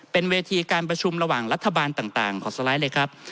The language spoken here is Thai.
เป็นเวทีการประชุมระหว่างรัฐบาลต่างขอสไลด์เลยครับ